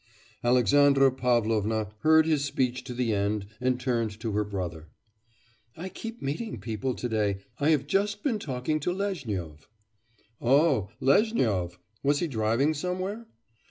Alexandra Pavlovna heard his speech to the end and turned to her brother. 'I keep meeting people to day; I have just been talking to Lezhnyov.' 'Oh, Lezhnyov! was he driving somewhere?